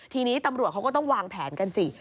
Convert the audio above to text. ทีนี้ตำรวจเขาก็ต้องวางแผนกันสิ